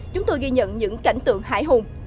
chúng tôi ghi nhận những cảnh tượng hải hùng